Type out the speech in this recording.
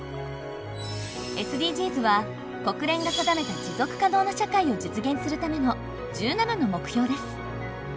ＳＤＧｓは国連が定めた持続可能な社会を実現するための１７の目標です。